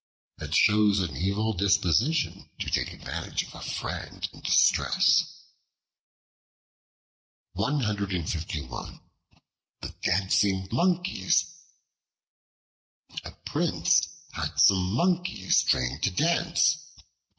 It shows an evil disposition to take advantage of a friend in distress. The Dancing Monkeys A PRINCE had some Monkeys trained to dance.